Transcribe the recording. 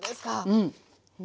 うん。